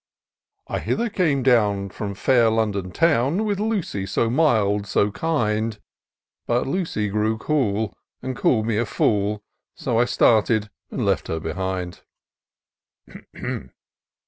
" I hither came down From fair London town. With Lucy so mild and so kind; But Lucy grew cool. And call'd me a fool. So I started and left her behind."